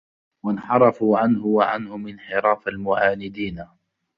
وَانْحَرَفُوا عَنْهُ وَعَنْهُمْ انْحِرَافَ الْمُعَانِدِينَ